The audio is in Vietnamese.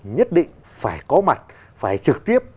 nhất định phải có mặt phải trực tiếp